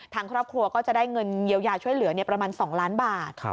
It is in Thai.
ทางครอบครัวก็จะได้เงินเยียวยาช่วยเหลือประมาณ๒ล้านบาท